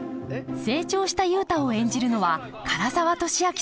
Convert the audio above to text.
成長した雄太を演じるのは唐沢寿明さん。